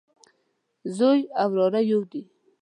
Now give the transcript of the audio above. زوی او وراره يودي